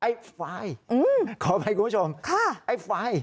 ไอ้ไฟขอไปคุณผู้ชมไอ้ไฟ